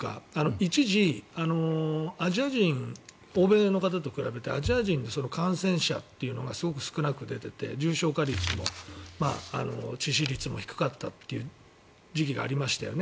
一時、欧米の方と比べてアジア人に感染者というのがすごく少なく出ていて重症化率も致死率も低かったっていう時期がありましたよね。